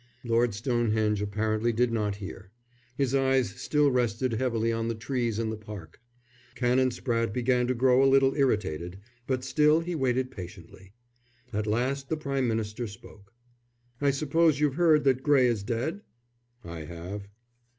Lord Stonehenge apparently did not hear. His eyes still rested heavily on the trees in the park. Canon Spratte began to grow a little irritated, but still he waited patiently. At last the Prime Minister spoke. "I suppose you've heard that Gray is dead?" "I have."